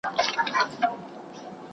د نجونو ښوونه باور زياتوي.